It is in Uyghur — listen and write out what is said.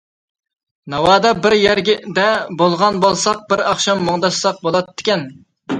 ناۋادا بىر يەردە بولغان بولساق بىر ئاخشام مۇڭداشساق بولاتتىكەن.